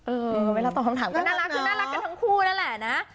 เออเวลาตอบคำถามก็น่ารักคือน่ารักกันทั้งคู่นั่นแหละนะ